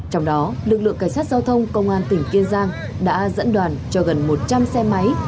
trong đó lực lượng cảnh sát giao thông công an tỉnh kiên giang đã dẫn đoàn cho gần một trăm linh xe máy